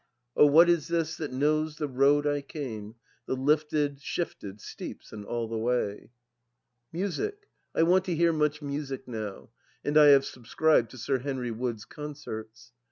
THE LAST DITCH 281 " Oh, what is this, that knows the road I came, The lifted, shifted steeps and all the way ?" Music I I want to hear much music now, and I have sub Bcribed to Sir Henry Wood's concerts.